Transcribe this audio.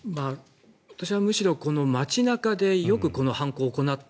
私はむしろ街中でよくこの犯行を行った。